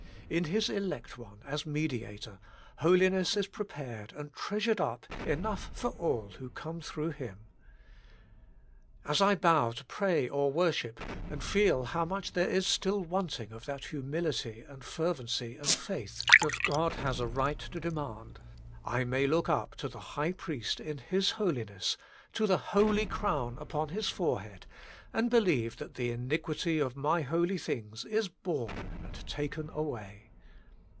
In His Elect One as Mediator, holi ness is prepared and treasured up enough for all who come through Him. As I bow to pray or wor ship, and feel how much there is still wanting of that humility, and fervency, and faith, that God has a right to demand, I may look up to the High Priest in His Holiness, to the holy crown upon His fore head, and believe that the iniquity of my holy things is borne and taken away.